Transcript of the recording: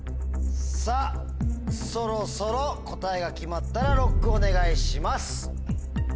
さぁそろそろ答えが決まったらＬＯＣＫをお願いします。